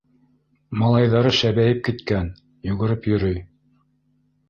Малайҙары шәбәйеп киткән, йүгереп йөрөй...